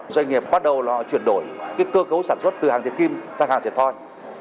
doanh nghiệp bắt đầu là họ chuyển đổi cơ cấu sản xuất từ hàng tiền kim sang hàng tiền thoi